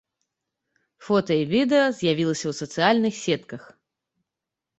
Фота і відэа з'явіліся ў сацыяльных сетках.